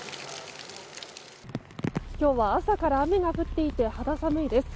今日は朝から雨が降っていて肌寒いです。